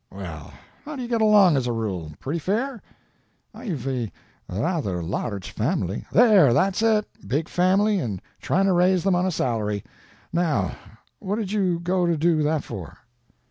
Well, how do you get along, as a rule—pretty fair?" "I've a rather large family—" "There, that's it—big family and trying to raise them on a salary. Now, what did you go to do that for?"